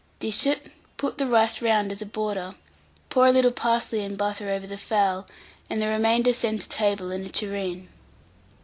Dish it, put the rice round as a border, pour a little parsley and butter over the fowl, and the remainder send to table in a tureen.